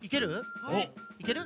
いける？